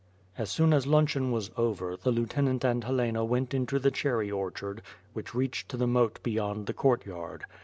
As soon as luncheon was over, the lieutenant and Helena went into the cherry orchard which reached to the moat be yond the courtyard.